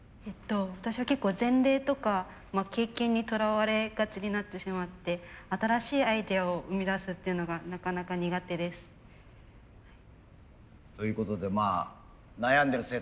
私は結構前例とか経験にとらわれがちになってしまって新しいアイデアを生み出すっていうのがなかなか苦手です。ということでまあ悩んでる生徒も多いみたいです先生。